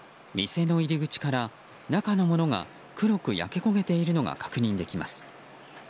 店の入り口から、中のものが黒く焼け焦げているのが確認できます。